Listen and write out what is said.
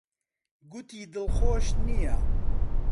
گوتی دڵخۆش نییە.